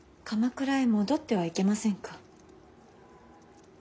鎌倉へ戻ってはいけませんか。